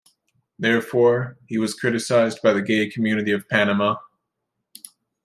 Therefore, he was criticized by the gay community of Panama.